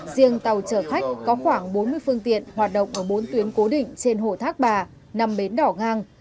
riêng tàu chở khách có khoảng bốn mươi phương tiện hoạt động ở bốn tuyến cố định trên hồ thác bà năm bến đỏ ngang